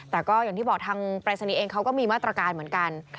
แต่ก็อย่างที่บอกทางปรายศนีย์เองเขาก็มีมาตรการเหมือนกัน